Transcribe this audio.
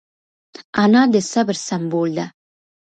انا د صبر سمبول ده